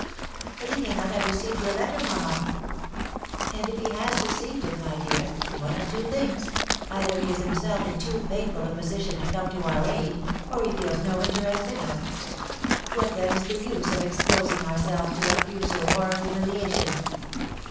"But he may not have received your letter, mamma!" "And if he has received it, my dear, one of two things, either he is himself in too painful a position to come to our aid, or he feels no interest in us. What, then, is the use of exposing ourselves to a refusal or humiliation?"